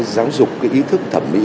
giáo dục cái ý thức thẩm mỹ